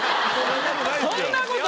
そんなことない。